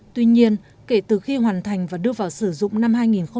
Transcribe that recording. tuy nhiên kể từ khi hoàn thành và đưa vào sử dụng năm hai nghìn một mươi